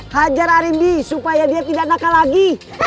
hajar arimbi supaya dia tidak nakal lagi